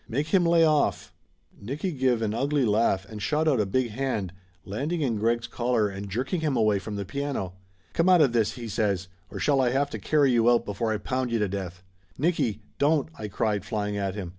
"Make him lay off!" 256 Laughter Limited Nicky give an ugly laugh and shot out a big hand, landing in Greg's collar and jerking him away from the piano. "Come out of this!" he says. "Or shall I have to carry you out before I pound you to death ?" "Nicky! Don't!" I cried, flying at him.